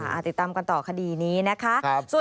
ติดตามกันต่อคดีนี้นะคะ